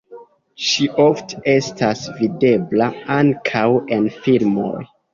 Ŝi ofte estas videbla ankaŭ en filmoj.